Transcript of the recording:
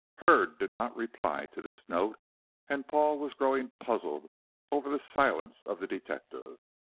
Hurd did not reply to this note, and Paul was growing puzzled over the silence of the detective.